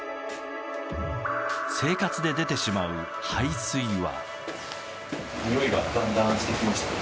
生活で出てしまう排水は。